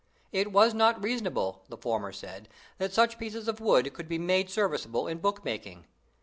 It was not reasonable, the former said, that such bits of wood could be made serviceable in book making.